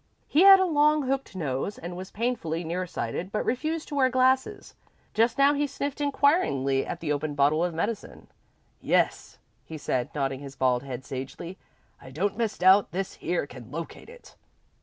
He had a long, hooked nose, and was painfully near sighted, but refused to wear glasses. Just now he sniffed inquiringly at the open bottle of medicine. "Yes," he said, nodding his bald head sagely, "I don't misdoubt this here can locate it."